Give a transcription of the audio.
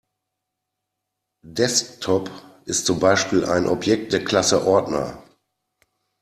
Desktop ist zum Beispiel ein Objekt der Klasse Ordner.